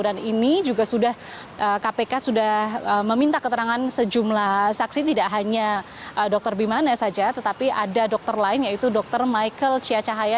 dan ini kpk sudah meminta keterangan sejumlah saksi tidak hanya dr bimanes saja tetapi ada dokter lain yaitu dr michael ciacahaya